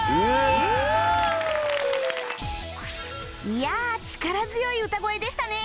いやあ力強い歌声でしたね